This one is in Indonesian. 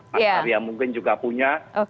mas arya mungkin juga punya